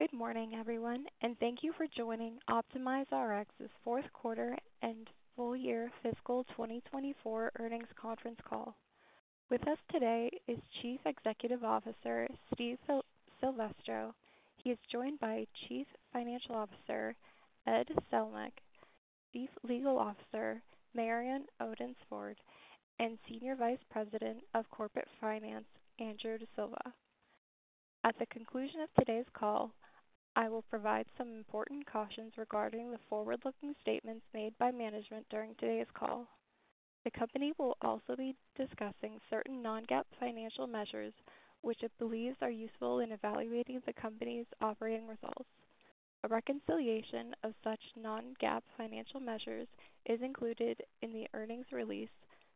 Good morning, everyone, and thank you for joining OptimizeRx's fourth quarter and full year fiscal 2024 earnings conference call. With us today is Chief Executive Officer Steve Silvestro. He is joined by Chief Financial Officer Ed Stelmakh, Chief Legal Officer Marion Odence-Ford, and Senior Vice President of Corporate Finance, Andrew D'Silva. At the conclusion of today's call, I will provide some important cautions regarding the forward-looking statements made by management during today's call. The company will also be discussing certain non-GAAP financial measures which it believes are useful in evaluating the company's operating results. A reconciliation of such non-GAAP financial measures is included in the earnings release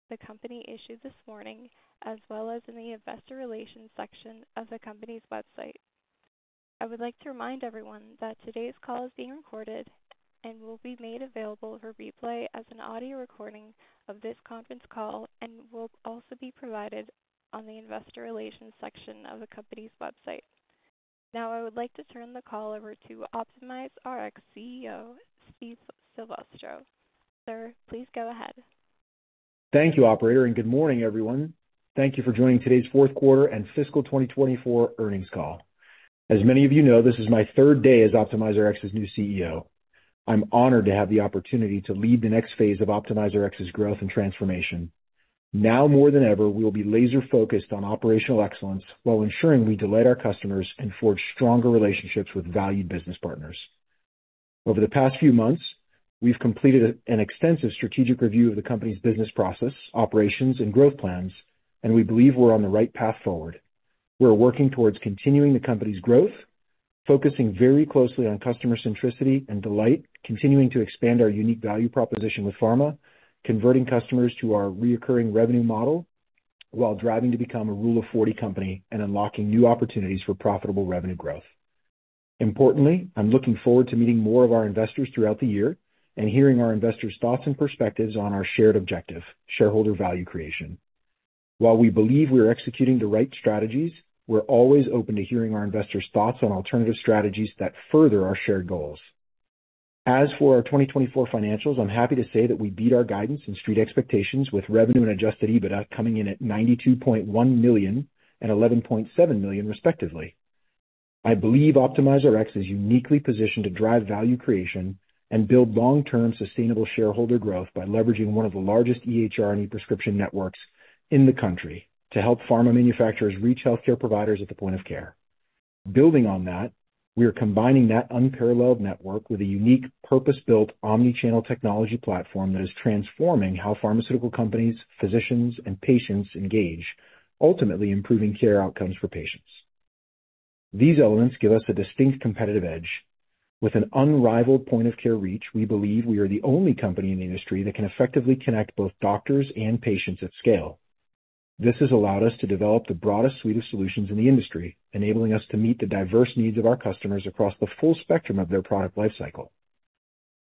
the company issued this morning, as well as in the investor relations section of the company's website. I would like to remind everyone that today's call is being recorded and will be made available for replay as an audio recording of this conference call, and will also be provided on the investor relations section of the company's website. Now, I would like to turn the call over to OptimizeRx CEO Steve Silvestro. Sir, please go ahead. Thank you, Operator, and good morning, everyone. Thank you for joining today's fourth quarter and fiscal 2024 earnings call. As many of you know, this is my third day as OptimizeRx's new CEO. I'm honored to have the opportunity to lead the next phase of OptimizeRx's growth and transformation. Now more than ever, we will be laser-focused on operational excellence while ensuring we delight our customers and forge stronger relationships with valued business partners. Over the past few months, we've completed an extensive strategic review of the company's business process, operations, and growth plans, and we believe we're on the right path forward. We're working towards continuing the company's growth, focusing very closely on customer centricity and delight, continuing to expand our unique value proposition with pharma, converting customers to our recurring revenue model while driving to become a Rule of 40 company and unlocking new opportunities for profitable revenue growth. Importantly, I'm looking forward to meeting more of our investors throughout the year and hearing our investors' thoughts and perspectives on our shared objective: shareholder value creation. While we believe we are executing the right strategies, we're always open to hearing our investors' thoughts on alternative strategies that further our shared goals. As for our 2024 financials, I'm happy to say that we beat our guidance and Street expectations with revenue and adjusted EBITDA coming in at 92.1 million and 11.7 million, respectively. I believe OptimizeRx is uniquely positioned to drive value creation and build long-term sustainable shareholder growth by leveraging one of the largest EHR and e-prescription networks in the country to help pharma manufacturers reach healthcare providers at the point of care. Building on that, we are combining that unparalleled network with a unique purpose-built omnichannel technology platform that is transforming how pharmaceutical companies, physicians, and patients engage, ultimately improving care outcomes for patients. These elements give us a distinct competitive edge. With an unrivaled point of care reach, we believe we are the only company in the industry that can effectively connect both doctors and patients at scale. This has allowed us to develop the broadest suite of solutions in the industry, enabling us to meet the diverse needs of our customers across the full spectrum of their product lifecycle.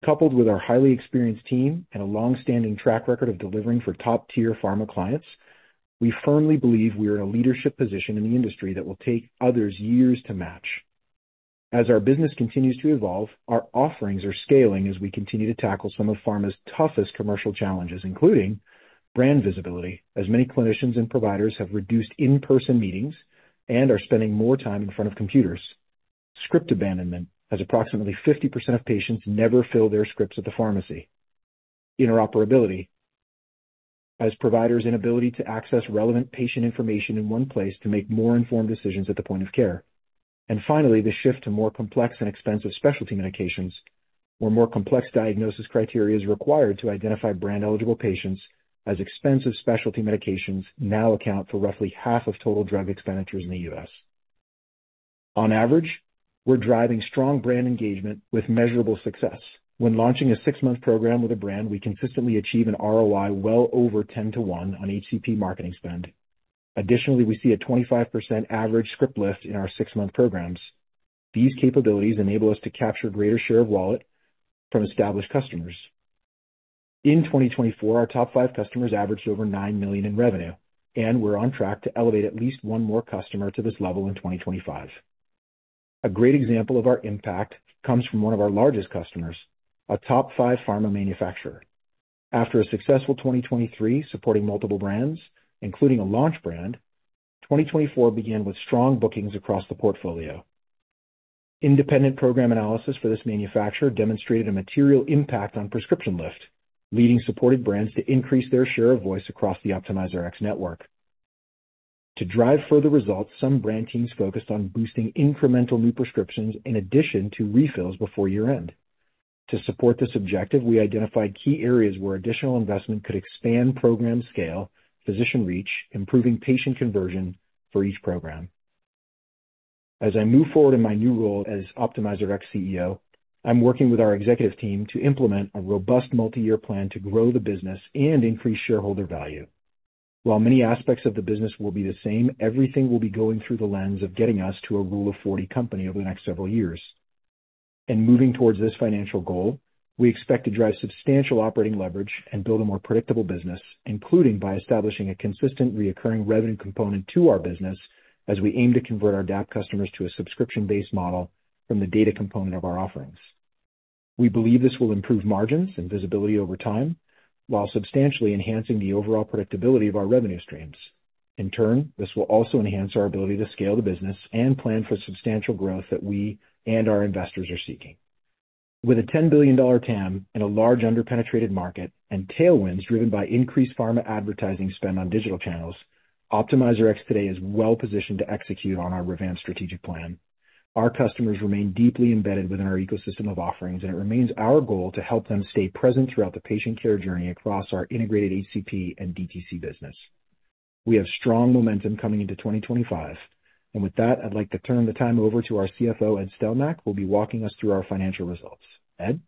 Coupled with our highly experienced team and a long-standing track record of delivering for top-tier pharma clients, we firmly believe we are in a leadership position in the industry that will take others years to match. As our business continues to evolve, our offerings are scaling as we continue to tackle some of pharma's toughest commercial challenges, including brand visibility, as many clinicians and providers have reduced in-person meetings and are spending more time in front of computers. Script abandonment, as approximately 50% of patients never fill their scripts at the pharmacy. Interoperability, as providers' inability to access relevant patient information in one place to make more informed decisions at the point of care. Finally, the shift to more complex and expensive specialty medications, where more complex diagnosis criteria are required to identify brand-eligible patients, as expensive specialty medications now account for roughly half of total drug expenditures in the U.S. On average, we're driving strong brand engagement with measurable success. When launching a six-month program with a brand, we consistently achieve an ROI well over 10 to 1 on HCP marketing spend. Additionally, we see a 25% average script lift in our six-month programs. These capabilities enable us to capture a greater share of wallet from established customers. In 2024, our top five customers averaged over 9 million in revenue, and we're on track to elevate at least one more customer to this level in 2025. A great example of our impact comes from one of our largest customers, a top five pharma manufacturer. After a successful 2023 supporting multiple brands, including a launch brand, 2024 began with strong bookings across the portfolio. Independent program analysis for this manufacturer demonstrated a material impact on prescription lift, leading supported brands to increase their share of voice across the OptimizeRx network. To drive further results, some brand teams focused on boosting incremental new prescriptions in addition to refills before year-end. To support this objective, we identified key areas where additional investment could expand program scale, physician reach, improving patient conversion for each program. As I move forward in my new role as OptimizeRx CEO, I'm working with our executive team to implement a robust multi-year plan to grow the business and increase shareholder value. While many aspects of the business will be the same, everything will be going through the lens of getting us to a Rule of 40 company over the next several years. In moving towards this financial goal, we expect to drive substantial operating leverage and build a more predictable business, including by establishing a consistent recurring revenue component to our business as we aim to convert our DAAP customers to a subscription-based model from the data component of our offerings. We believe this will improve margins and visibility over time while substantially enhancing the overall predictability of our revenue streams. In turn, this will also enhance our ability to scale the business and plan for substantial growth that we and our investors are seeking. With a 10 billion dollar TAM and a large under-penetrated market and tailwinds driven by increased pharma advertising spend on digital channels, OptimizeRx today is well-positioned to execute on our revamped strategic plan. Our customers remain deeply embedded within our ecosystem of offerings, and it remains our goal to help them stay present throughout the patient care journey across our integrated HCP and DTC business. We have strong momentum coming into 2025, and with that, I'd like to turn the time over to our CFO, Ed Stelmakh, who will be walking us through our financial results. Ed?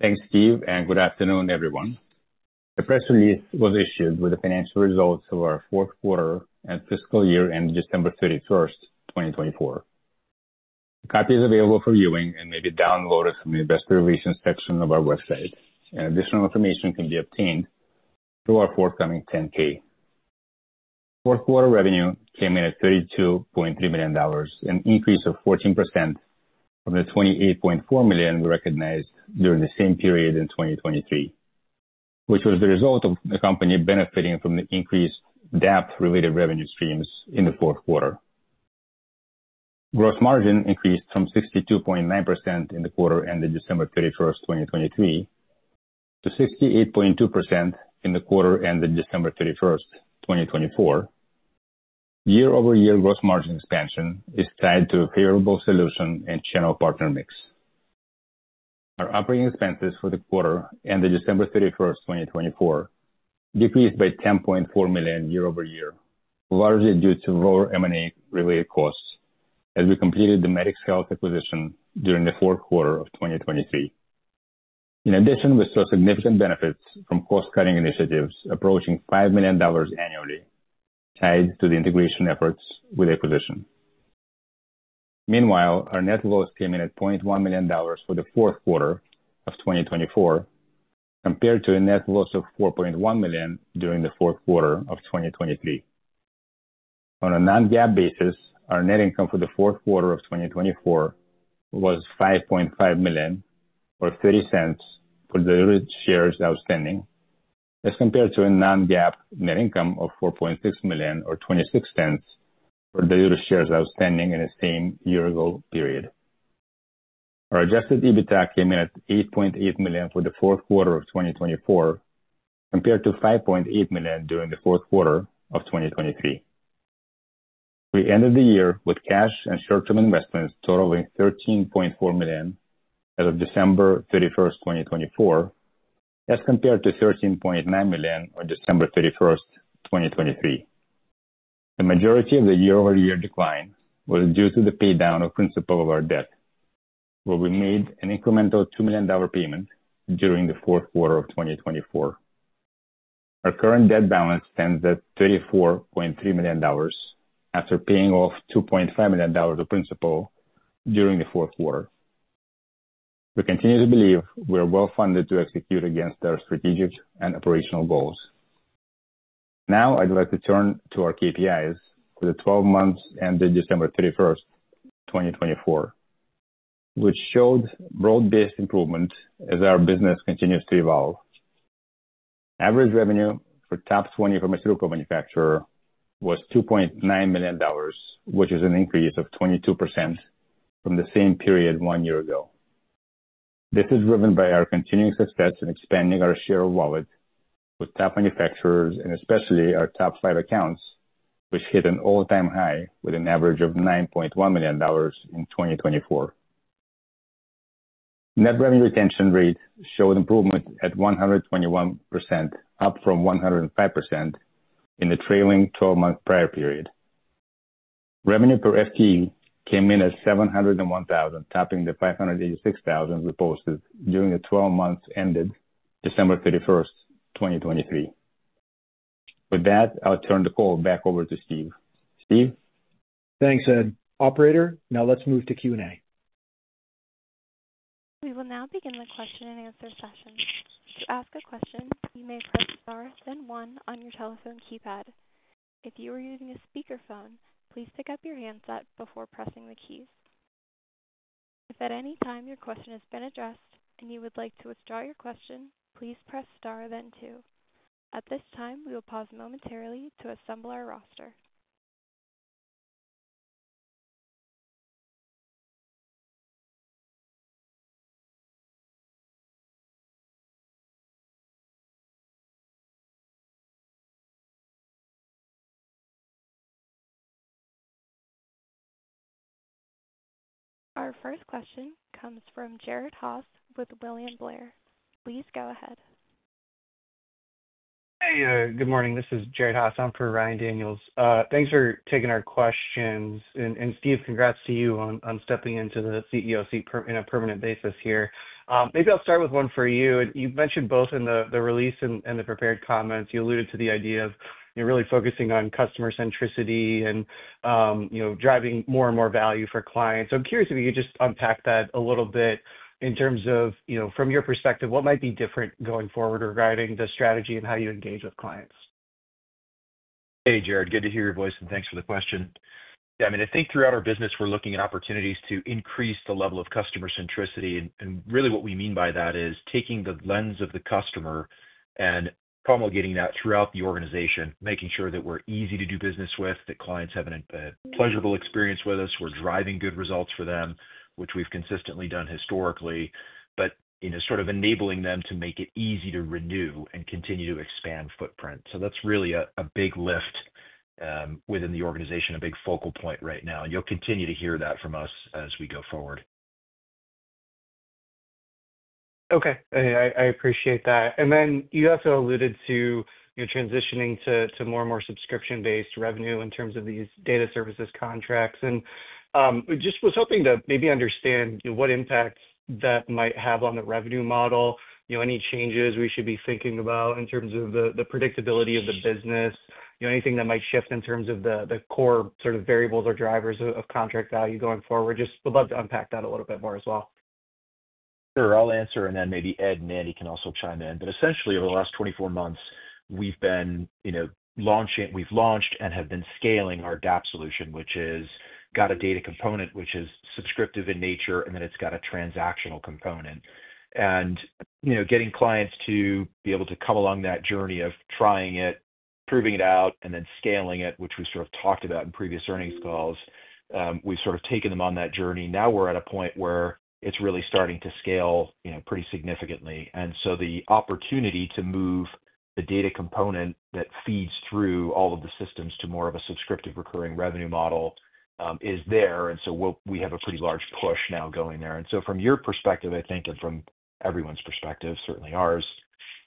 Thanks, Steve, and good afternoon, everyone. The press release was issued with the financial results of our fourth quarter and fiscal year end December 31, 2024. The copy is available for viewing and may be downloaded from the investor relations section of our website, and additional information can be obtained through our forthcoming 10-K. Fourth quarter revenue came in at USD 32.3 million, an increase of 14% from the USD 28.4 million we recognized during the same period in 2023, which was the result of the company benefiting from the increased DAAP-related revenue streams in the fourth quarter. Gross margin increased from 62.9% in the quarter ended December 31, 2023, to 68.2% in the quarter ended December 31, 2024. Year-over-year gross margin expansion is tied to a favorable solution and channel partner mix. Our operating expenses for the quarter ended December 31, 2024, decreased by 10.4 million year-over-year, largely due to lower M&A-related costs as we completed the Medicx Health acquisition during the fourth quarter of 2023. In addition, we saw significant benefits from cost-cutting initiatives approaching 5 million dollars annually, tied to the integration efforts with the acquisition. Meanwhile, our net loss came in at 0.1 million dollars for the fourth quarter of 2024, compared to a net loss of 4.1 million during the fourth quarter of 2023. On a non-GAAP basis, our net income for the fourth quarter of 2024 was 5.5 million, or 0.30 for diluted shares outstanding, as compared to a non-GAAP net income of 4.6 million, or 0.26 for diluted shares outstanding in the same year-ago period. Our adjusted EBITDA came in at 8.8 million for the fourth quarter of 2024, compared to 5.8 million during the fourth quarter of 2023. We ended the year with cash and short-term investments totaling 13.4 million as of December 31st, 2024, as compared to 13.9 million on December 31st, 2023. The majority of the year-over-year decline was due to the paydown of principal of our debt, where we made an incremental 2 million dollar payment during the fourth quarter of 2024. Our current debt balance stands at 34.3 million dollars after paying off 2.5 million dollars of principal during the fourth quarter. We continue to believe we are well-funded to execute against our strategic and operational goals. Now, I'd like to turn to our KPIs for the 12 months ended December 31st, 2024, which showed broad-based improvement as our business continues to evolve. Average revenue for top 20 pharmaceutical manufacturers was 2.9 million dollars, which is an increase of 22% from the same period one year ago. This is driven by our continuing success in expanding our share of wallet with top manufacturers and especially our top five accounts, which hit an all-time high with an average of 9.1 million dollars in 2024. Net revenue retention rate showed improvement at 121%, up from 105% in the trailing 12-month prior period. Revenue per FTE came in at 701,000, topping the 586,000 we posted during the 12 months ended December 31, 2023. With that, I'll turn the call back over to Steve. Steve. Thanks, Ed. Operator, now let's move to Q&A. We will now begin the question-and-answer session. To ask a question, you may press star then one on your telephone keypad. If you are using a speakerphone, please pick up your handset before pressing the keys. If at any time your question has been addressed and you would like to withdraw your question, please press star then two. At this time, we will pause momentarily to assemble our roster. Our first question comes from Jared Haase with William Blair. Please go ahead. Hey, good morning. This is Jared Haase. I'm for Ryan Daniels. Thanks for taking our questions. Steve, congrats to you on stepping into the CEO seat in a permanent basis here. Maybe I'll start with one for you. You've mentioned both in the release and the prepared comments, you alluded to the idea of really focusing on customer centricity and driving more and more value for clients. I'm curious if you could just unpack that a little bit in terms of, from your perspective, what might be different going forward regarding the strategy and how you engage with clients? Hey, Jared. Good to hear your voice and thanks for the question. Yeah, I mean, I think throughout our business, we're looking at opportunities to increase the level of customer centricity. Really what we mean by that is taking the lens of the customer and promulgating that throughout the organization, making sure that we're easy to do business with, that clients have a pleasurable experience with us, we're driving good results for them, which we've consistently done historically, but sort of enabling them to make it easy to renew and continue to expand footprint. That's really a big lift within the organization, a big focal point right now. You'll continue to hear that from us as we go forward. Okay. I appreciate that. You also alluded to transitioning to more and more subscription-based revenue in terms of these data services contracts. I just was hoping to maybe understand what impact that might have on the revenue model, any changes we should be thinking about in terms of the predictability of the business, anything that might shift in terms of the core sort of variables or drivers of contract value going forward. Just would love to unpack that a little bit more as well. Sure. I'll answer, and then maybe Ed and Andy can also chime in. Essentially, over the last 24 months, we've launched and have been scaling our DAAP solution, which has got a data component, which is subscriptive in nature, and then it's got a transactional component. Getting clients to be able to come along that journey of trying it, proving it out, and then scaling it, which we sort of talked about in previous earnings calls, we've sort of taken them on that journey. Now we're at a point where it's really starting to scale pretty significantly. The opportunity to move the data component that feeds through all of the systems to more of a subscriptive recurring revenue model is there. We have a pretty large push now going there. From your perspective, I think, and from everyone's perspective, certainly ours,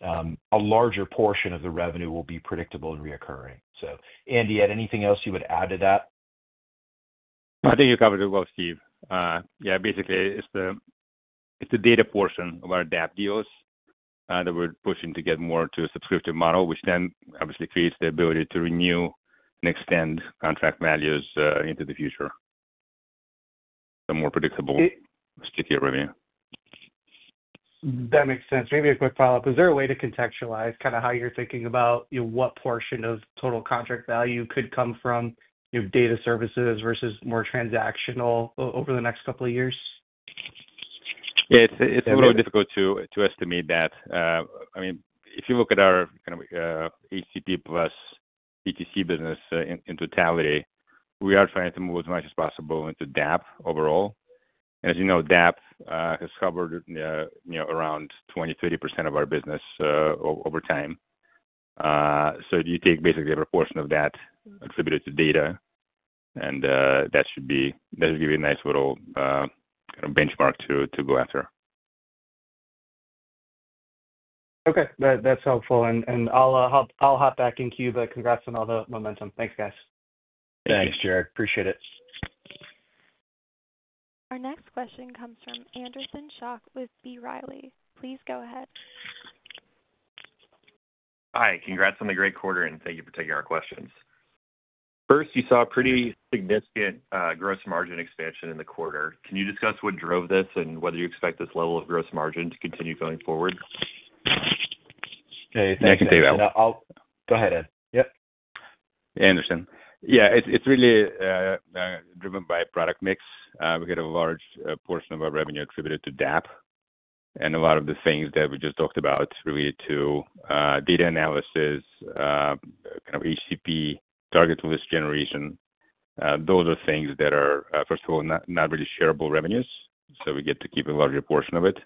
a larger portion of the revenue will be predictable and recurring. So Andy, Ed, anything else you would add to that? I think you covered it well, Steve. Yeah, basically, it's the data portion of our DAAP deals that we're pushing to get more to a subscriptive model, which then obviously creates the ability to renew and extend contract values into the future, so more predictable, stickier revenue. That makes sense. Maybe a quick follow-up. Is there a way to contextualize kind of how you're thinking about what portion of total contract value could come from data services versus more transactional over the next couple of years? Yeah, it's a little difficult to estimate that. I mean, if you look at our kind of HCP plus DTC business in totality, we are trying to move as much as possible into DAAP overall. As you know, DAAP has covered around 20-30% of our business over time. You take basically every portion of that attributed to data, and that should give you a nice little kind of benchmark to go after. Okay. That's helpful. I'll hop back in queue. Congrats on all the momentum. Thanks, guys. Thanks, Jared. Appreciate it. Our next question comes from Anderson Shock with B. Riley. Please go ahead. Hi. Congrats on the great quarter, and thank you for taking our questions. First, you saw a pretty significant gross margin expansion in the quarter. Can you discuss what drove this and whether you expect this level of gross margin to continue going forward? Hey, thank you, Anderson. I'll go ahead, Ed. Yep. Yeah, Anderson. Yeah, it's really driven by product mix. We get a large portion of our revenue attributed to DAAP, and a lot of the things that we just talked about related to data analysis, kind of HCP, target list generation, those are things that are, first of all, not really shareable revenues, so we get to keep a larger portion of it.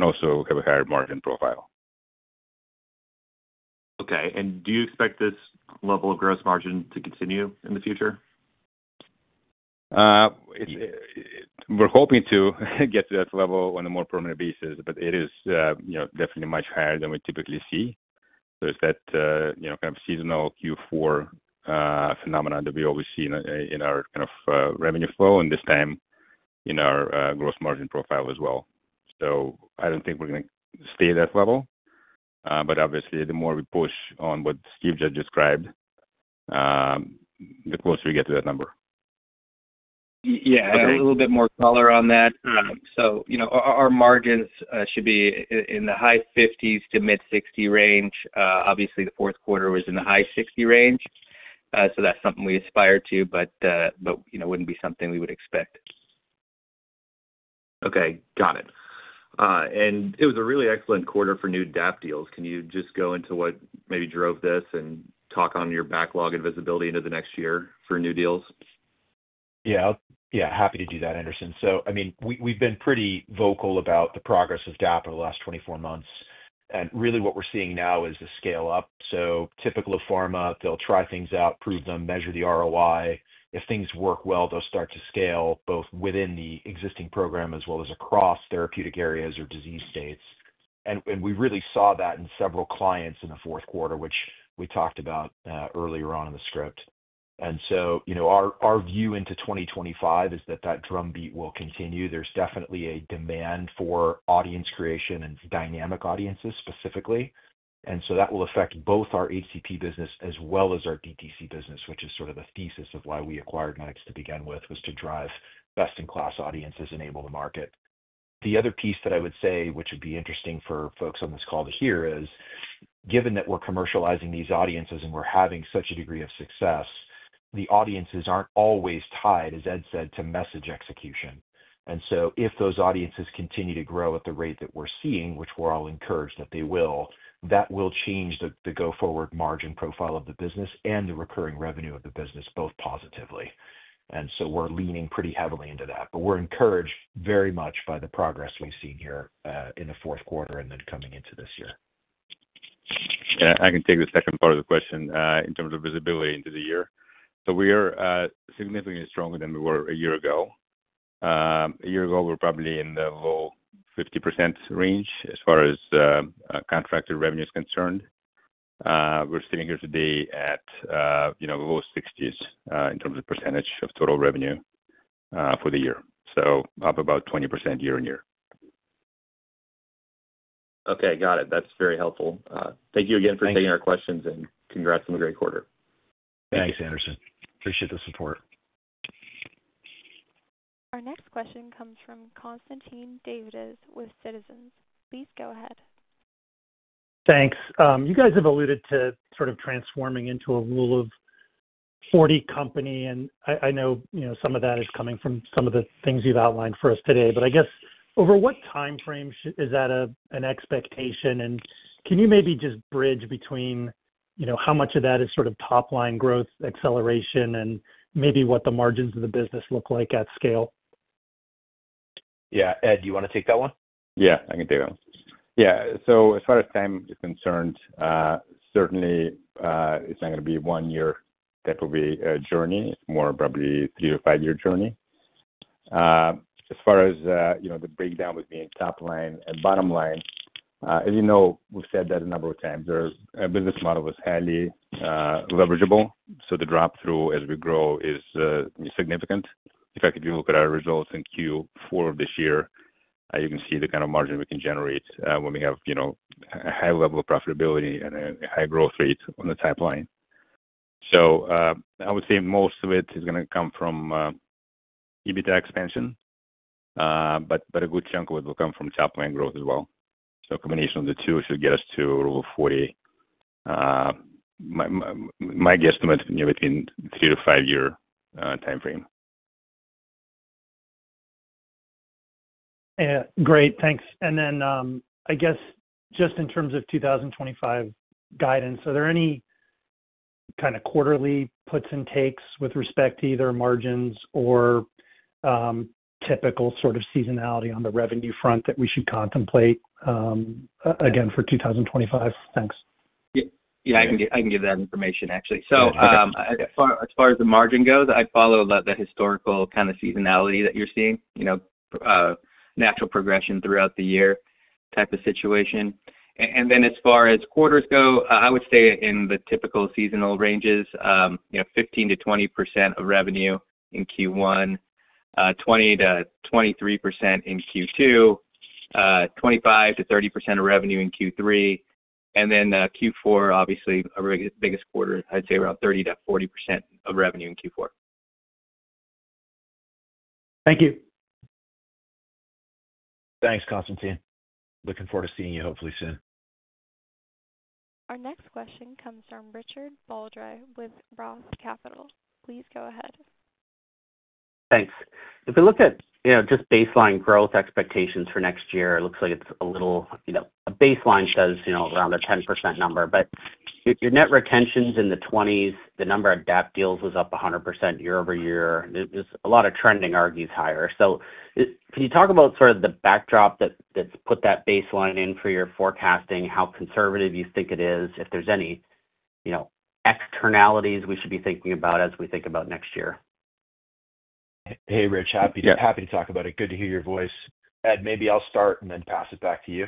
Also, we have a higher margin profile. Okay. Do you expect this level of gross margin to continue in the future? We're hoping to get to that level on a more permanent basis, but it is definitely much higher than we typically see. It is that kind of seasonal Q4 phenomenon that we always see in our kind of revenue flow and this time in our gross margin profile as well. I don't think we're going to stay at that level, but obviously, the more we push on what Steve just described, the closer we get to that number. Yeah, a little bit more color on that. Our margins should be in the high 50s to mid-60 range. Obviously, the fourth quarter was in the high 60 range, so that's something we aspire to, but it wouldn't be something we would expect. Okay. Got it. It was a really excellent quarter for new DAAP deals. Can you just go into what maybe drove this and talk on your backlog and visibility into the next year for new deals? Yeah. Happy to do that, Anderson. I mean, we've been pretty vocal about the progress of DAAP over the last 24 months. What we're seeing now is a scale-up. Typical of pharma, they'll try things out, prove them, measure the ROI. If things work well, they'll start to scale both within the existing program as well as across therapeutic areas or disease states. We really saw that in several clients in the fourth quarter, which we talked about earlier on in the script. Our view into 2025 is that that drumbeat will continue. There's definitely a demand for audience creation and dynamic audiences specifically. That will affect both our HCP business as well as our DTC business, which is sort of the thesis of why we acquired MedX to begin with, was to drive best-in-class audiences and enable the market. The other piece that I would say, which would be interesting for folks on this call to hear, is given that we're commercializing these audiences and we're having such a degree of success, the audiences aren't always tied, as Ed said, to message execution. If those audiences continue to grow at the rate that we're seeing, which we're all encouraged that they will, that will change the go-forward margin profile of the business and the recurring revenue of the business both positively. We are leaning pretty heavily into that. We are encouraged very much by the progress we have seen here in the fourth quarter and then coming into this year. Yeah, I can take the second part of the question in terms of visibility into the year. We are significantly stronger than we were a year ago. A year ago, we were probably in the low 50% range as far as contracted revenue is concerned. We're sitting here today at low 60% in terms of percentage of total revenue for the year, so up about 20% year on year. Okay. Got it. That's very helpful. Thank you again for taking our questions and congrats on the great quarter. Thanks, Anderson. Appreciate the support. Our next question comes from Constantine Davides with Citizens. Please go ahead. Thanks. You guys have alluded to sort of transforming into a Rule of 40 company. I know some of that is coming from some of the things you've outlined for us today. I guess, over what time frame is that an expectation? Can you maybe just bridge between how much of that is sort of top-line growth, acceleration, and maybe what the margins of the business look like at scale? Yeah. Ed, do you want to take that one? Yeah, I can take that one. Yeah. As far as time is concerned, certainly, it's not going to be a one-year type of a journey. It's more probably a three- or five-year journey. As far as the breakdown with being top-line and bottom-line, as you know, we've said that a number of times. Our business model is highly leverageable, so the drop-through as we grow is significant. In fact, if you look at our results in Q4 of this year, you can see the kind of margin we can generate when we have a high level of profitability and a high growth rate on the top line. I would say most of it is going to come from EBITDA expansion, but a good chunk of it will come from top-line growth as well. A combination of the two should get us to a Rule of 40. My guesstimate is between three- to five-year time frame. Great. Thanks. I guess just in terms of 2025 guidance, are there any kind of quarterly puts and takes with respect to either margins or typical sort of seasonality on the revenue front that we should contemplate again for 2025? Thanks. Yeah, I can give that information, actually. As far as the margin goes, I follow the historical kind of seasonality that you're seeing, natural progression throughout the year type of situation. As far as quarters go, I would say in the typical seasonal ranges, 15%-20% of revenue in Q1, 20%-23% in Q2, 25%-30% of revenue in Q3. Q4, obviously, our biggest quarter, I'd say around 30%-40% of revenue in Q4. Thank you. Thanks, Constantine. Looking forward to seeing you hopefully soon. Our next question comes from Richard Baldry with ROTH Capital. Please go ahead. Thanks. If we look at just baseline growth expectations for next year, it looks like it's a little baseline. Says around a 10% number. But your net retention's in the 20s. The number of DAAP deals was up 100% year over year. There's a lot of trending RGs higher. Can you talk about sort of the backdrop that's put that baseline in for your forecasting, how conservative you think it is, if there's any externalities we should be thinking about as we think about next year? Hey, Rich. Happy to talk about it. Good to hear your voice. Ed, maybe I'll start and then pass it back to you.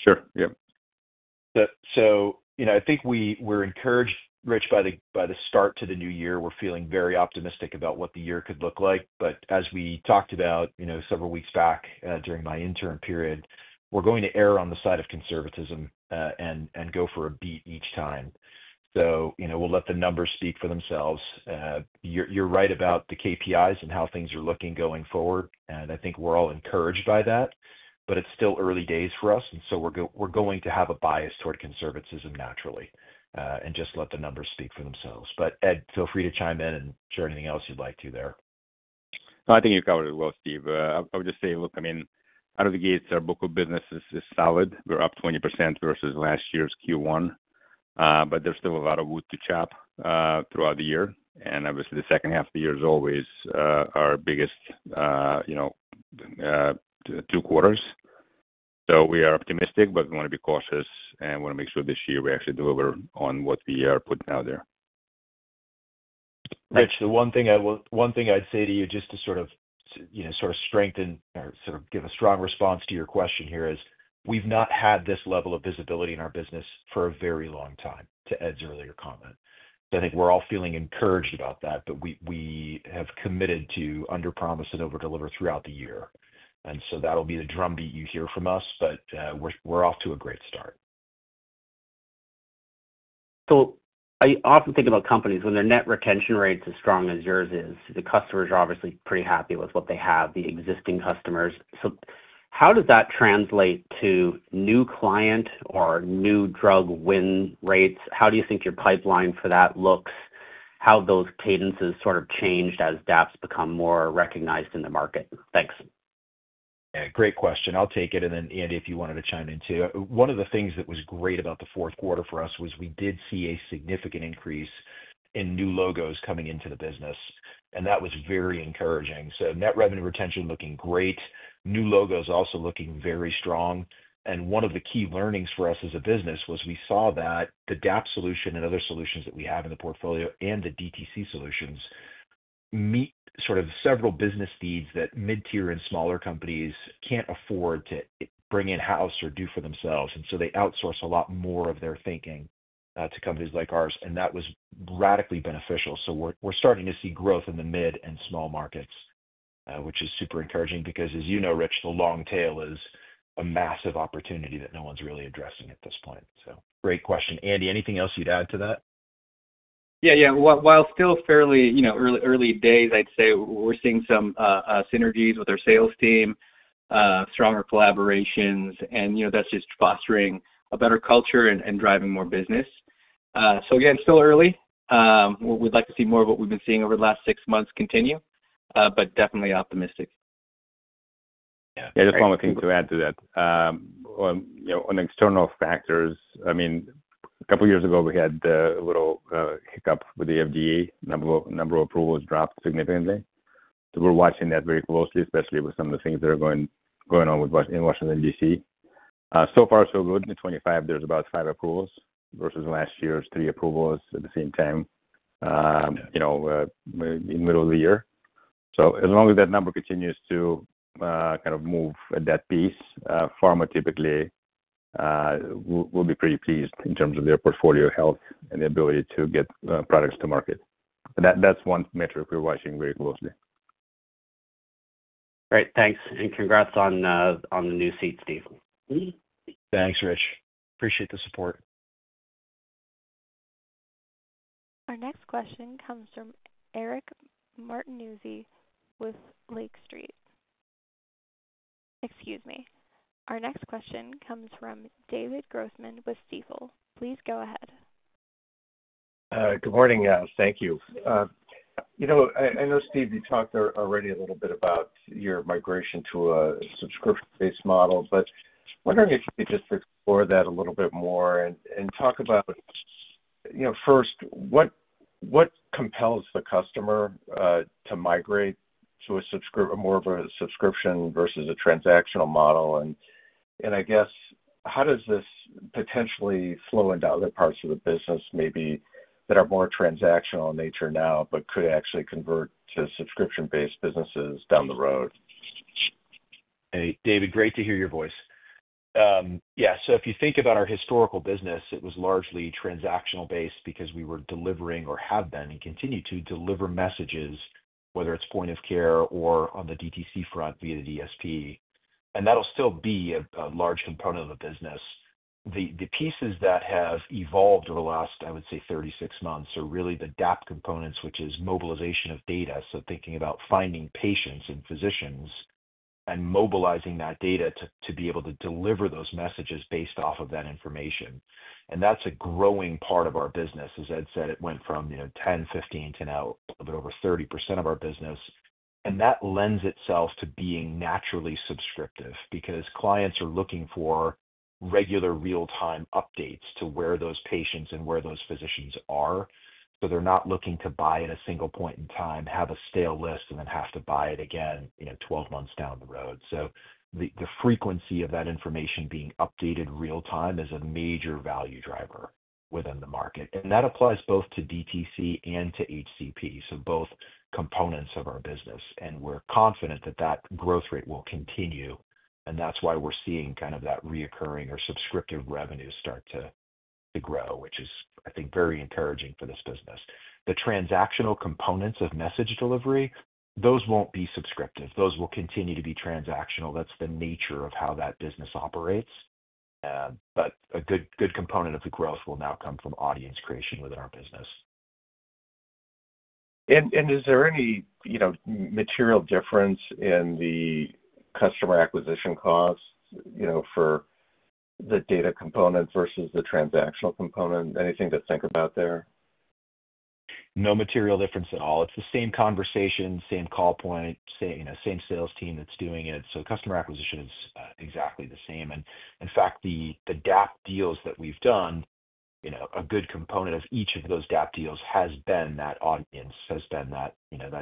Sure. Yep. I think we're encouraged, Rich, by the start to the new year. We're feeling very optimistic about what the year could look like. As we talked about several weeks back during my interim period, we're going to err on the side of conservatism and go for a beat each time. We'll let the numbers speak for themselves. You're right about the KPIs and how things are looking going forward. I think we're all encouraged by that, but it's still early days for us. We're going to have a bias toward conservatism naturally and just let the numbers speak for themselves. Ed, feel free to chime in and share anything else you'd like to there. No, I think you covered it well, Steve. I would just say, look, I mean, out of the gates, our book of business is solid. We're up 20% versus last year's Q1, but there's still a lot of wood to chop throughout the year. Obviously, the second half of the year is always our biggest two quarters. We are optimistic, but we want to be cautious and want to make sure this year we actually deliver on what we are putting out there. Rich, the one thing I'd say to you just to sort of strengthen or sort of give a strong response to your question here is we've not had this level of visibility in our business for a very long time, to Ed's earlier comment. I think we're all feeling encouraged about that, but we have committed to under-promise and over-deliver throughout the year. That'll be the drumbeat you hear from us, but we're off to a great start. I often think about companies when their net retention rate's as strong as yours is, the customers are obviously pretty happy with what they have, the existing customers. How does that translate to new client or new drug win rates? How do you think your pipeline for that looks? How have those cadences sort of changed as DAAPs become more recognized in the market? Thanks. Yeah. Great question. I'll take it. Andy, if you wanted to chime in too. One of the things that was great about the fourth quarter for us was we did see a significant increase in new logos coming into the business, and that was very encouraging. Net revenue retention looking great, new logos also looking very strong. One of the key learnings for us as a business was we saw that the DAAP solution and other solutions that we have in the portfolio and the DTC solutions meet sort of several business needs that mid-tier and smaller companies can't afford to bring in-house or do for themselves. They outsource a lot more of their thinking to companies like ours, and that was radically beneficial. We're starting to see growth in the mid and small markets, which is super encouraging because, as you know, Rich, the long tail is a massive opportunity that no one's really addressing at this point. Great question. Andy, anything else you'd add to that? Yeah, yeah. While still fairly early days, I'd say we're seeing some synergies with our sales team, stronger collaborations, and that's just fostering a better culture and driving more business. Again, still early. We'd like to see more of what we've been seeing over the last six months continue, but definitely optimistic. Yeah. Just one more thing to add to that. On external factors, I mean, a couple of years ago, we had a little hiccup with the FDA. A number of approvals dropped significantly. We are watching that very closely, especially with some of the things that are going on in Washington, DC. So far, so good. In 2025, there are about five approvals versus last year's three approvals at the same time in the middle of the year. As long as that number continues to kind of move at that pace, pharma typically will be pretty pleased in terms of their portfolio health and the ability to get products to market. That is one metric we are watching very closely. Great. Thanks. Congrats on the new seat, Steve. Thanks, Rich. Appreciate the support. Our next question comes from Eric Martinuzzi with Lake Street. Excuse me. Our next question comes from David Grossman with Stifel. Please go ahead. Good morning. Thank you. I know, Steve, you talked already a little bit about your migration to a subscription-based model, but wondering if you could just explore that a little bit more and talk about, first, what compels the customer to migrate to more of a subscription versus a transactional model? I guess, how does this potentially flow into other parts of the business, maybe that are more transactional in nature now, but could actually convert to subscription-based businesses down the road? Hey, David, great to hear your voice. Yeah. If you think about our historical business, it was largely transactional-based because we were delivering or have been and continue to deliver messages, whether it's point of care or on the DTC front via the DSP. That'll still be a large component of the business. The pieces that have evolved over the last, I would say, 36 months are really the DAAP components, which is mobilization of data. Thinking about finding patients and physicians and mobilizing that data to be able to deliver those messages based off of that information. That's a growing part of our business. As Ed said, it went from 10%, 15%, to now a little bit over 30% of our business. That lends itself to being naturally subscriptive because clients are looking for regular real-time updates to where those patients and where those physicians are. They are not looking to buy at a single point in time, have a stale list, and then have to buy it again 12 months down the road. The frequency of that information being updated real-time is a major value driver within the market. That applies both to DTC and to HCP, so both components of our business. We are confident that that growth rate will continue. That is why we are seeing kind of that reoccurring or subscriptive revenue start to grow, which is, I think, very encouraging for this business. The transactional components of message delivery, those will not be subscriptive. Those will continue to be transactional. That is the nature of how that business operates. A good component of the growth will now come from audience creation within our business. Is there any material difference in the customer acquisition costs for the data component versus the transactional component? Anything to think about there? No material difference at all. It's the same conversation, same call point, same sales team that's doing it. Customer acquisition is exactly the same. In fact, the DAAP deals that we've done, a good component of each of those DAAP deals has been that audience, has been that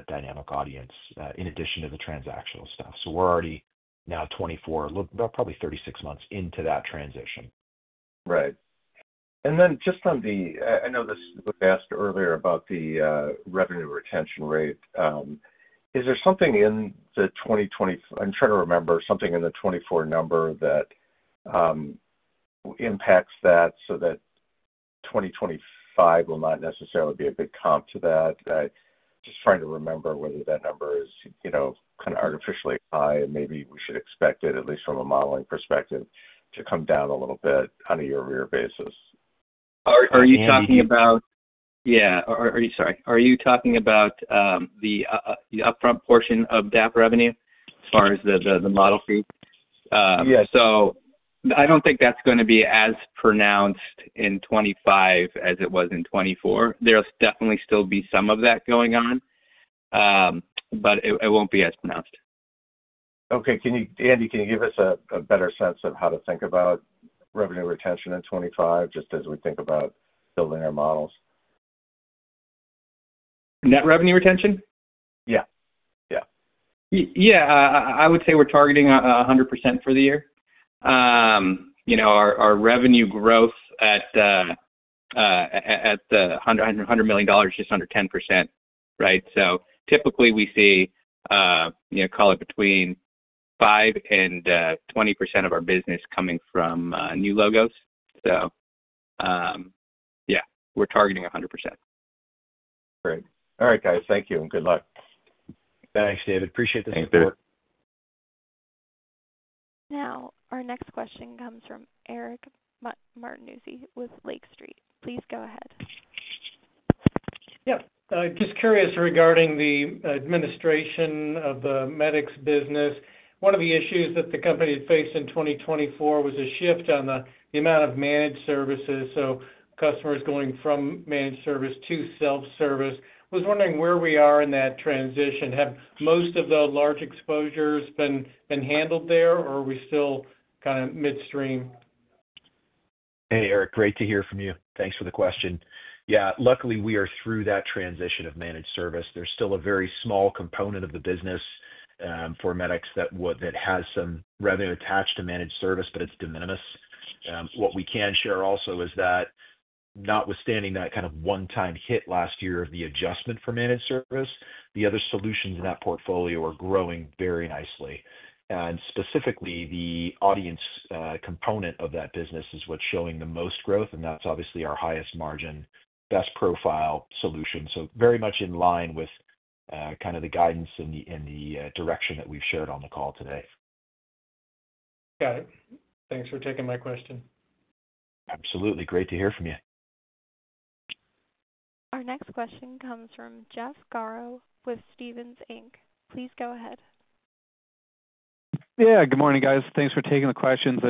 dynamic audience in addition to the transactional stuff. We're already now 24, probably 36 months into that transition. Right. Just on the, I know this was asked earlier about the revenue retention rate. Is there something in the 2020, I'm trying to remember, something in the 2024 number that impacts that so that 2025 will not necessarily be a good comp to that? Just trying to remember whether that number is kind of artificially high, and maybe we should expect it, at least from a modeling perspective, to come down a little bit on a year-over-year basis. Are you talking about? Yeah. Yeah. Are you, sorry. Are you talking about the upfront portion of DAAP revenue as far as the model fee? Yes. I do not think that is going to be as pronounced in 2025 as it was in 2024. There will definitely still be some of that going on, but it will not be as pronounced. Okay. Andy, can you give us a better sense of how to think about revenue retention in 2025 just as we think about building our models? Net revenue retention? Yeah. Yeah. Yeah. I would say we're targeting 100% for the year. Our revenue growth at 100 million dollars is just under 10%, right? Typically, we see, call it, between 5-20% of our business coming from new logos. Yeah, we're targeting 100%. Great. All right, guys. Thank you and good luck. Thanks, David. Appreciate this support. Thanks, David. Now, our next question comes from Eric Martinuzzi with Lake Street. Please go ahead. Yep. Just curious regarding the administration of the Medicx Health business. One of the issues that the company had faced in 2024 was a shift on the amount of managed services. Customers going from managed service to self-service. I was wondering where we are in that transition. Have most of the large exposures been handled there, or are we still kind of midstream? Hey, Eric. Great to hear from you. Thanks for the question. Yeah. Luckily, we are through that transition of managed service. There's still a very small component of the business for MedX that has some revenue attached to managed service, but it's de minimis. What we can share also is that, notwithstanding that kind of one-time hit last year of the adjustment for managed service, the other solutions in that portfolio are growing very nicely. Specifically, the audience component of that business is what's showing the most growth, and that's obviously our highest margin, best profile solution. Very much in line with kind of the guidance and the direction that we've shared on the call today. Got it. Thanks for taking my question. Absolutely. Great to hear from you. Our next question comes from Jeff Garro with Stephens Inc. Please go ahead. Yeah. Good morning, guys. Thanks for taking the questions.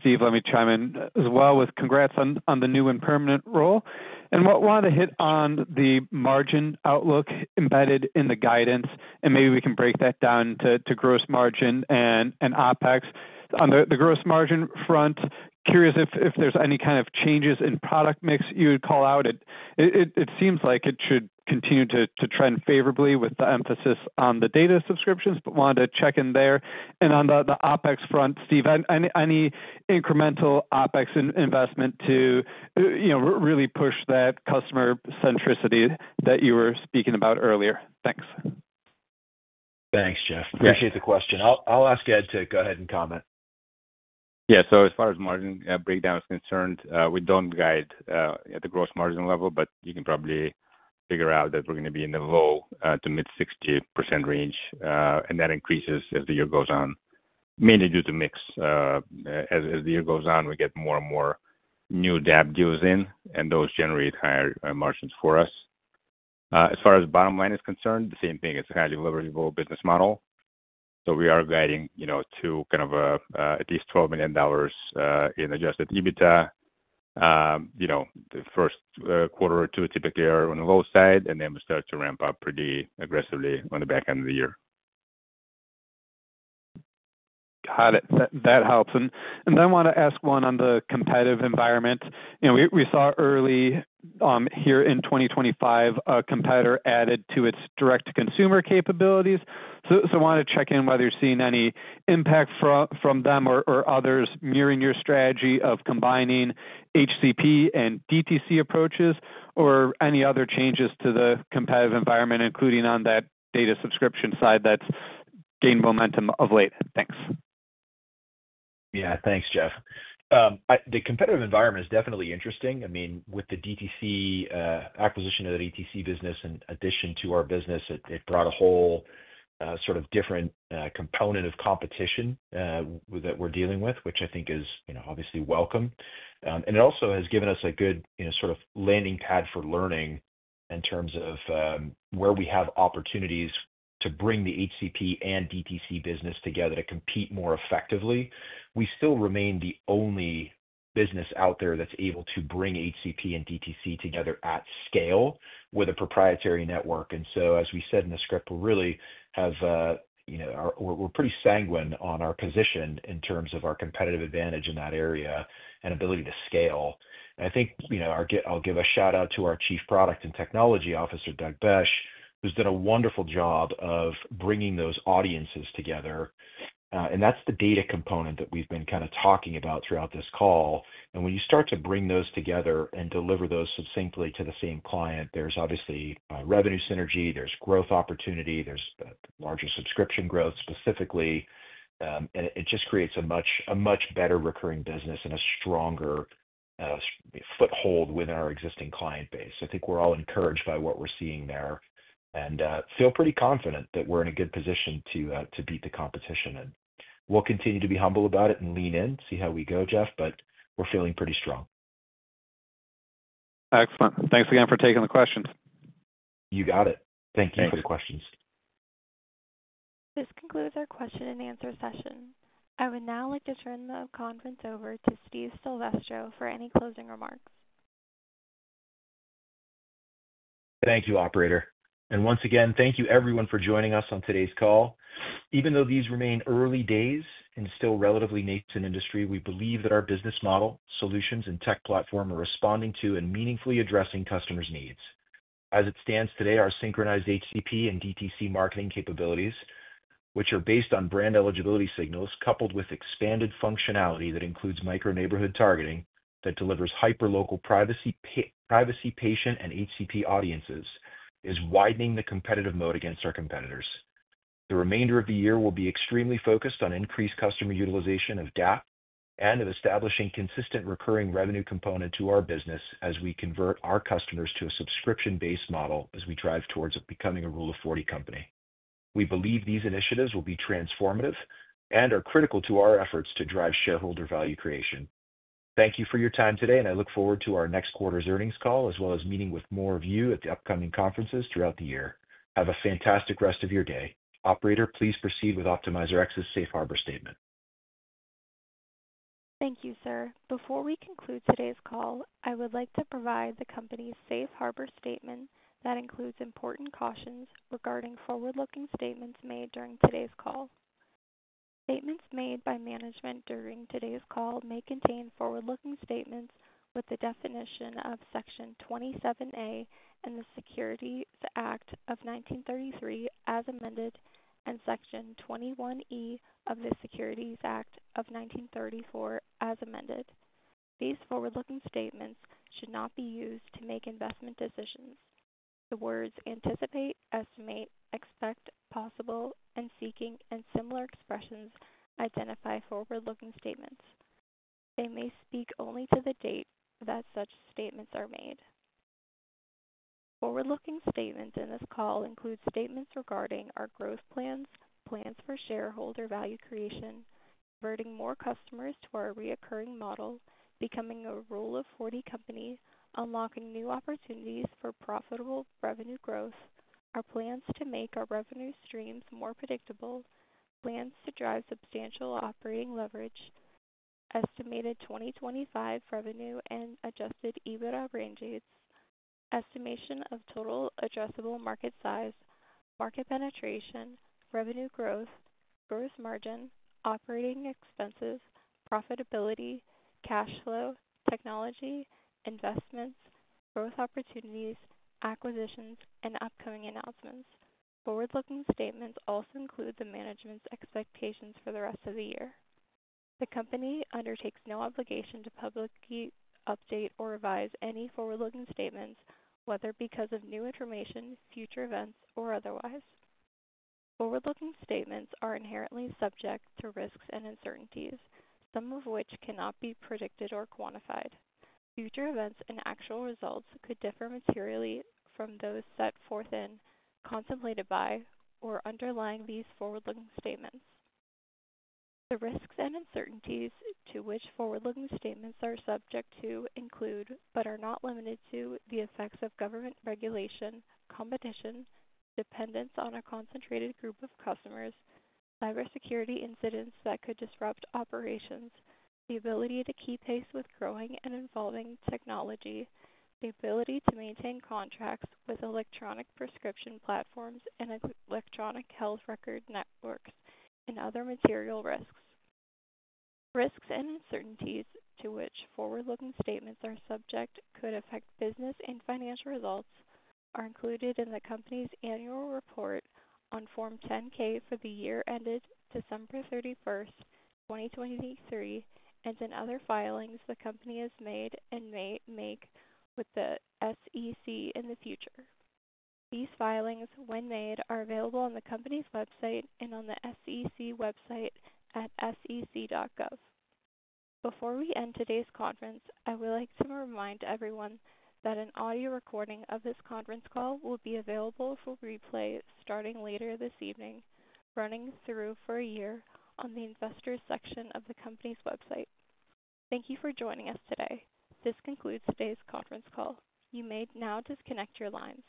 Steve, let me chime in as well with congrats on the new and permanent role. I want to hit on the margin outlook embedded in the guidance, and maybe we can break that down to gross margin and OpEx. On the gross margin front, curious if there's any kind of changes in product mix you would call out. It seems like it should continue to trend favorably with the emphasis on the data subscriptions, but wanted to check in there. On the OpEx front, Steve, any incremental OpEx investment to really push that customer centricity that you were speaking about earlier? Thanks. Thanks, Jeff. Appreciate the question. I'll ask Ed to go ahead and comment. Yeah. As far as margin breakdown is concerned, we do not guide at the gross margin level, but you can probably figure out that we are going to be in the low to mid-60% range. That increases as the year goes on, mainly due to mix. As the year goes on, we get more and more new DAAP deals in, and those generate higher margins for us. As far as bottom line is concerned, the same thing. It is a highly leverageable business model. We are guiding to kind of at least 12 million dollars in adjusted EBITDA. The first quarter or two typically are on the low side, and then we start to ramp up pretty aggressively on the back end of the year. Got it. That helps. I want to ask one on the competitive environment. We saw early here in 2025, a competitor added to its direct-to-consumer capabilities. I wanted to check in whether you're seeing any impact from them or others mirroring your strategy of combining HCP and DTC approaches or any other changes to the competitive environment, including on that data subscription side that's gained momentum of late? Thanks. Yeah. Thanks, Jeff. The competitive environment is definitely interesting. I mean, with the DTC acquisition of the DTC business in addition to our business, it brought a whole sort of different component of competition that we're dealing with, which I think is obviously welcome. It also has given us a good sort of landing pad for learning in terms of where we have opportunities to bring the HCP and DTC business together to compete more effectively. We still remain the only business out there that's able to bring HCP and DTC together at scale with a proprietary network. As we said in the script, we really have, we're pretty sanguine on our position in terms of our competitive advantage in that area and ability to scale. I think I'll give a shout-out to our Chief Product and Technology Officer, Doug Besch, who's done a wonderful job of bringing those audiences together. That's the data component that we've been kind of talking about throughout this call. When you start to bring those together and deliver those succinctly to the same client, there's obviously revenue synergy. There's growth opportunity. There's larger subscription growth specifically. It just creates a much better recurring business and a stronger foothold within our existing client base. I think we're all encouraged by what we're seeing there and feel pretty confident that we're in a good position to beat the competition. We'll continue to be humble about it and lean in, see how we go, Jeff, but we're feeling pretty strong. Excellent. Thanks again for taking the questions. You got it. Thank you for the questions. This concludes our question-and-answer session. I would now like to turn the conference over to Steve Silvestro for any closing remarks. Thank you, Operator. Once again, thank you, everyone, for joining us on today's call. Even though these remain early days and still relatively new to the industry, we believe that our business model, solutions, and tech platform are responding to and meaningfully addressing customers' needs. As it stands today, our synchronized HCP and DTC marketing capabilities, which are based on brand eligibility signals coupled with expanded functionality that includes micro-neighborhood targeting that delivers hyper-local privacy, patient, and HCP audiences, is widening the competitive moat against our competitors. The remainder of the year will be extremely focused on increased customer utilization of DAAP and of establishing a consistent recurring revenue component to our business as we convert our customers to a subscription-based model as we drive towards becoming a Rule of 40 company. We believe these initiatives will be transformative and are critical to our efforts to drive shareholder value creation. Thank you for your time today, and I look forward to our next quarter's earnings call as well as meeting with more of you at the upcoming conferences throughout the year. Have a fantastic rest of your day. Operator, please proceed with OptimizeRx's Safe Harbor Statement. Thank you, sir. Before we conclude today's call, I would like to provide the company's Safe Harbor Statement that includes important cautions regarding forward-looking statements made during today's call. Statements made by management during today's call may contain forward-looking statements within the definition of Section 27A of the Securities Act of 1933 as amended and Section 21E of the Securities Act of 1934 as amended. These forward-looking statements should not be used to make investment decisions. The words anticipate, estimate, expect, possible, and seeking and similar expressions identify forward-looking statements. They may speak only to the date that such statements are made. Forward-looking statements in this call include statements regarding our growth plans, plans for shareholder value creation, converting more customers to our recurring model, becoming a Rule of 40 company, unlocking new opportunities for profitable revenue growth, our plans to make our revenue streams more predictable, plans to drive substantial operating leverage, estimated 2025 revenue and adjusted EBITDA ranges, estimation of total addressable market size, market penetration, revenue growth, gross margin, operating expenses, profitability, cash flow, technology, investments, growth opportunities, acquisitions, and upcoming announcements. Forward-looking statements also include the management's expectations for the rest of the year. The company undertakes no obligation to publicly update or revise any forward-looking statements, whether because of new information, future events, or otherwise. Forward-looking statements are inherently subject to risks and uncertainties, some of which cannot be predicted or quantified. Future events and actual results could differ materially from those set forth in, contemplated by, or underlying these forward-looking statements. The risks and uncertainties to which forward-looking statements are subject to include, but are not limited to, the effects of government regulation, competition, dependence on a concentrated group of customers, cybersecurity incidents that could disrupt operations, the ability to keep pace with growing and evolving technology, the ability to maintain contracts with electronic prescription platforms and electronic health record networks, and other material risks. Risks and uncertainties to which forward-looking statements are subject could affect business and financial results are included in the company's annual report on Form 10-K for the year ended December 31, 2023, and in other filings the company has made and may make with the SEC in the future. These filings, when made, are available on the company's website and on the SEC website at sec.gov. Before we end today's conference, I would like to remind everyone that an audio recording of this conference call will be available for replay starting later this evening, running through for a year on the investor section of the company's website. Thank you for joining us today. This concludes today's conference call. You may now disconnect your lines.